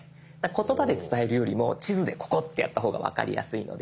言葉で伝えるよりも地図でここってやった方が分かりやすいので。